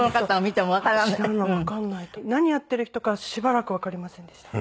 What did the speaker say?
何やっている人かしばらくわかりませんでした。